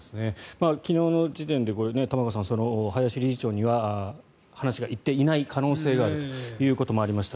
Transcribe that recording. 昨日の時点で玉川さん、林理事長には話が行っていない可能性があるというところもありました。